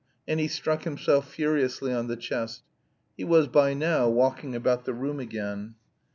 "_ And he struck himself furiously on the chest. He was by now walking about the room again.